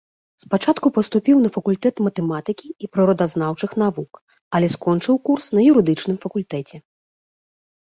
Спачатку паступіў на факультэт матэматыкі і прыродазнаўчых навук, але скончыў курс на юрыдычным факультэце.